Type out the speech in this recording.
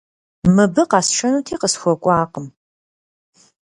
Мыбы къэсшэнути, къысхуэкӀуакъым.